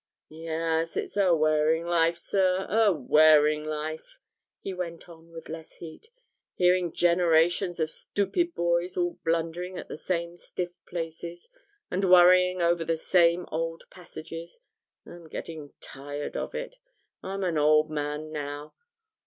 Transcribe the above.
'Yes, it's a wearing life, sir, a wearing life,' he went on with less heat, 'hearing generations of stoopid boys all blundering at the same stiff places, and worrying over the same old passages. I'm getting very tired of it; I'm an old man now.